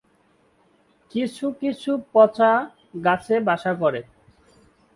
কিছু কিছু পচা গাছে বাসা করে।